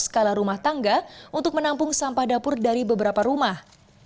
skala rumah tangga untuk menampung sampah dapur dari beberapa rumah